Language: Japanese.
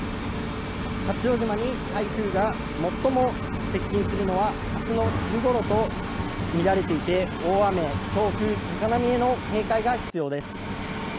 八丈島に台風が最も接近するのは明日の昼ごろとみられていて大雨、強風、高波への警戒が必要です。